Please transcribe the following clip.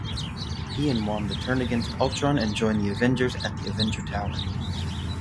He and Wanda turn against Ultron and join the Avengers at the Avengers Tower.